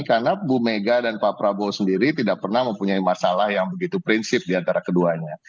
karena ibu mega dan pak prabowo sendiri tidak pernah mempunyai masalah yang begitu prinsip di antara keduanya